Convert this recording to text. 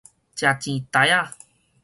吃錢檯仔